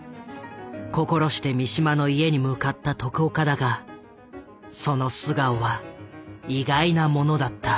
心して三島の家に向かった徳岡だがその素顔は意外なものだった。